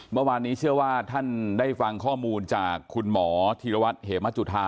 เมื่อวานนี้เชื่อว่าท่านได้ฟังข้อมูลจากคุณหมอธีรวัตรเหมจุธา